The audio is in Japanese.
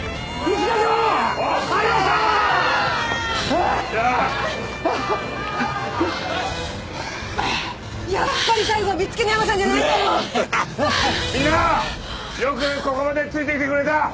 みんなよくここまでついてきてくれた！